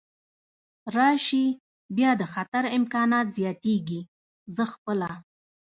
راشي، بیا د خطر امکانات زیاتېږي، زه خپله.